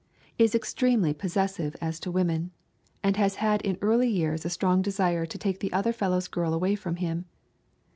Is extremely possessive as to women, and has had in early years a strong desire to take the other fellow's girl away from him.